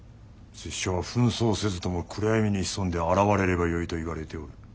拙者は扮装せずとも暗闇に潜んで現れればよいと言われておる。